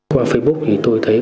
qua facebook thì tôi thấy có